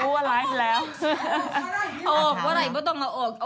โอปไว้ไหนเพราะต้องมาโอป